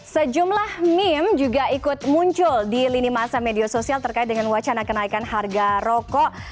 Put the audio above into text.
sejumlah meme juga ikut muncul di lini masa media sosial terkait dengan wacana kenaikan harga rokok